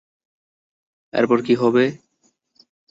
এরপর কী হবে?